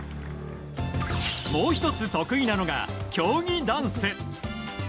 もう１つ得意なのが、競技ダンス。